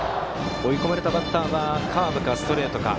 追い込まれたバッターはカーブかストレートか。